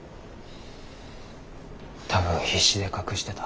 多分必死で隠してた。